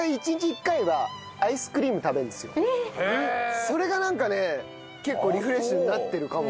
大体それがなんかね結構リフレッシュになってるかも。